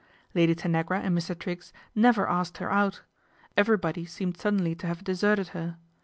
Lady Tanagra and Mr. Triggs never asked her out. Everybody seemed suddenly to have deserted her.